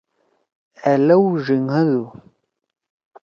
أ لؤ ڙیِنگَدُو۔